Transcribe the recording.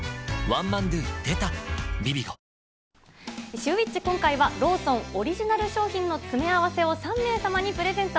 シューＷｈｉｃｈ、今回はローソンオリジナル商品の詰め合わせを３名様にプレゼント。